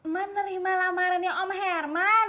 ma nerima lamarannya om herman